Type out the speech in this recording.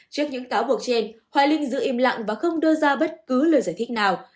trước những cáo buộc trên hoài linh giữ im lặng và không đưa ra bất cứ lời giải thích nào